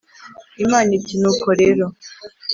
Imana iti:nuko rero!